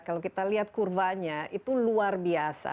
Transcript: kalau kita lihat kurvanya itu luar biasa